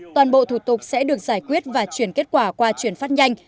toàn bộ thủ tục sẽ được giải quyết và chuyển kết quả qua chuyển phát nhanh